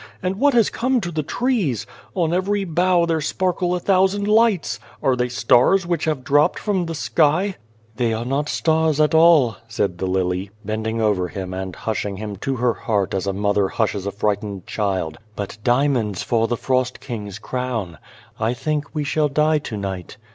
And what has come to the trees ? On every bough there sparkle a thousand lights. Are they stars which have dropped from the sky ?" "They are not stars at all," said the lily, bending over him and hushing him to her heart as a mother hushes a frightened child, "but diamonds for the Frost King's crown. I think we shall die to night.